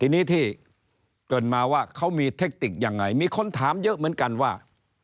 ทีนี้ที่เกิดมาว่าเขามีเทคนิคยังไงมีคนถามเยอะเหมือนกันว่า